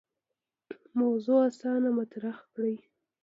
موضوع اسانه مطرح کړي.